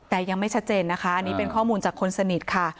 แต่ยังไม่ชัดเจนนะคะอันนี้เป็นข้อมูลจากคนสนิทค่ะ